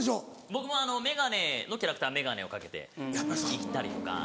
僕も眼鏡のキャラクターは眼鏡をかけて行ったりとか。